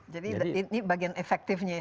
jadi ini bagian efektifnya